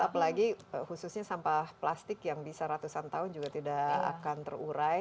apalagi khususnya sampah plastik yang bisa ratusan tahun juga tidak akan terurai